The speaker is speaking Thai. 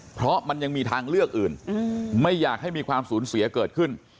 เพราะมันยังมีทางเลือกอื่นไม่อยากให้มีความสูญเสียเกิดขึ้น